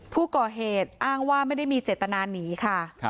ผู้ก่อเหตุอ้างว่าไม่ได้มีเจตนาหนีค่ะ